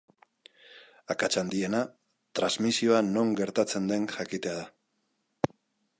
Akats handiena, trasmisioa non gertatzen den jakitea da.